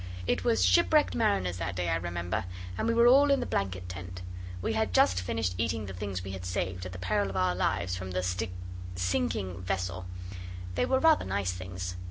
It was shipwrecked mariners that day, I remember, and we were all in the blanket tent. We had just finished eating the things we had saved, at the peril of our lives, from the st sinking vessel. They were rather nice things.